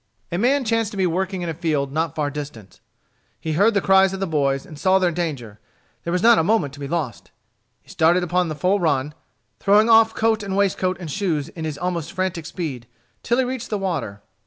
A man chanced to be working in a field not far distant. He heard the cries of the boys and saw their danger. There was not a moment to be lost. He started upon the full run, throwing off coat and waistcoat and shoes, in his almost frantic speed, till he reached the water.